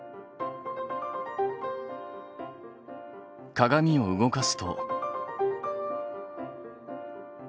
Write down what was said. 鏡を動かすと。